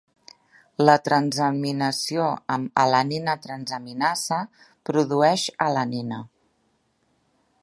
La transaminació amb alanina-transaminasa produeix alanina.